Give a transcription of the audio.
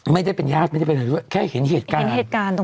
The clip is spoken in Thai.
ไม่ได้เป็นแยาศน์ไม่ได้เป็นไงด้วยแค่เห็นเหตุการณ์ตรงนั้น